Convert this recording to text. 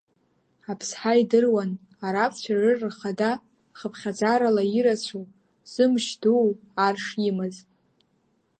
Аԥсҳа идыруан, арабцәа рыр рхада, хыԥхьаӡарала ирацәоу, зымч дуу ар шимаз.